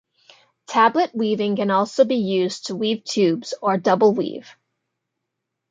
Tablet weaving can also be used to weave tubes or double weave.